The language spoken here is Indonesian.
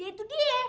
ya itu dia ya